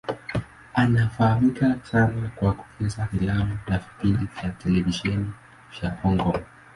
Anafahamika sana kwa kucheza filamu na vipindi vya televisheni vya Hong Kong.